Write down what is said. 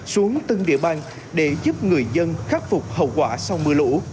xuống từng địa bàn để giúp người dân khắc phục hậu quả sau mưa lũ